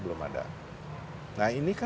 belum ada nah ini